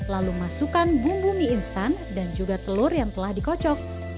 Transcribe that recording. lalu masukkan bumbu mie instan dan juga telur yang telah dikocok